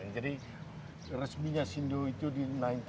jadi resminya sindo itu di seribu sembilan ratus sembilan puluh sembilan